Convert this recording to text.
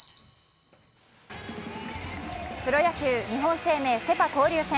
プロ野球、日本生命セ・パ交流戦。